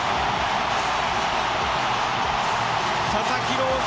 佐々木朗希